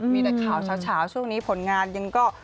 มีแต่ข่าวเช้าช่วงนี้ผลงานยังก็